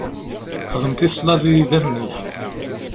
Xdem tislaḍ i idammen-ik.